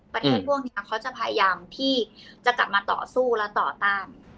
ประเทศพวกนี้เขาจะพยายามที่จะกลับมาต่อสู้และต่อต้าน